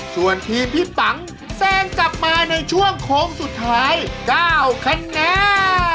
ส่วนทีมพี่ปังแซงกลับมาในช่วงโค้งสุดท้าย๙คะแนน